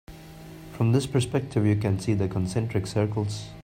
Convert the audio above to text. From this perspective you can see the concentric circles.